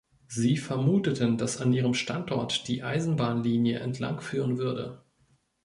Sie vermuteten, dass an ihrem Standort die Eisenbahnlinie entlangführen würde.